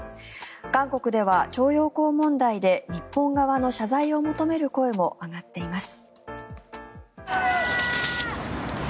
韓国では徴用工問題で日本側の謝罪を求める声も上がっています。